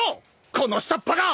この下っ端が！